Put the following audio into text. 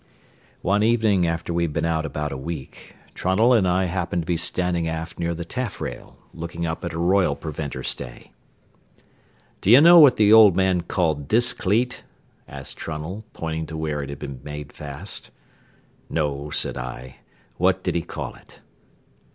One evening after we had been out about a week, Trunnell and I happened to be standing aft near the taffrail looking up at a royal preventer stay. "D'ye know what th' old man called this cleat?" asked Trunnell, pointing to where it had been made fast. "No," said I. "What did he call it?"